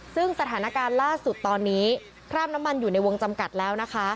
ซึ่งสถานการณ์ล่าสุดตอนนี้คราบน้ำมันอยู่ในวงจำกัดแล้วนะคะ